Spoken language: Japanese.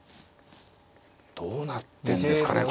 どうなってんですかね。